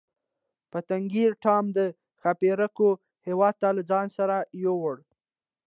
پتنګې ټام د ښاپیرکو هیواد ته له ځان سره یووړ.